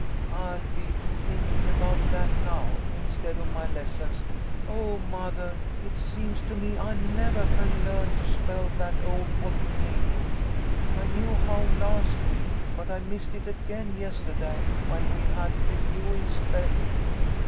I'll be thinking about that now, instead of my lessons. Oh, mothah, it seems to me I nevah can learn to spell that old volcano. I knew how last week, but I missed it again yestahday when we had review in spelling."